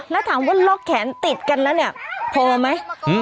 แล้วถามว่าล็อกแขนติดกันแล้วเนี่ยพอไหม